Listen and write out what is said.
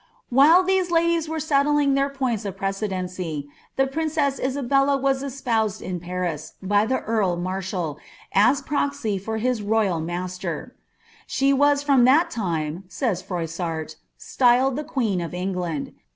While these IuIh* were seeding their points of precedency, the prineesa Iwlicila tx espoused in Paris by the eai'l marshal, as proxy fur tii» roVKl lavit:. ''She was from that time," says Froissart," styled the (|iie«n of EagiiiMl.